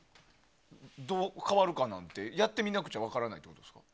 どう変わるかなんてやってみなくちゃ分からないと？